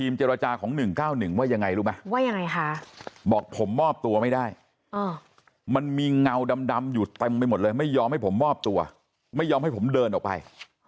มีเงาดำอยู่เต็มไปหมดเลยไม่ยอมให้ผมมอบตัวไม่ยอมให้ผมเดินออกไป